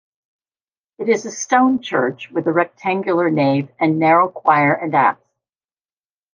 It is a stone church with a rectangular nave and narrow choir and apse.